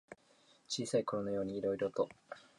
小さいころのようにいろいろと。